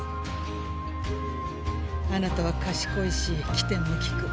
あなたは賢いし機転も利く。